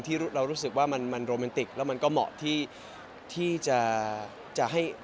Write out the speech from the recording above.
ที่เรารู้สึกว่ามันโรแมนติกแล้วมันก็เหมาะที่จะให้